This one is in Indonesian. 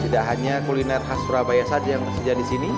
sebenarnya kuliner khas surabaya saja yang bisa jadi di sini